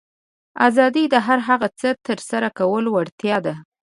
آزادي د هر هغه څه ترسره کولو وړتیا ده.